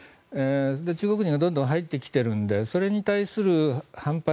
中国人がどんどん入ってきているのでそれに対する反発